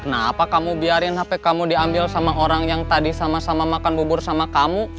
nah apa kamu biarin hp kamu diambil sama orang yang tadi sama sama makan bubur sama kamu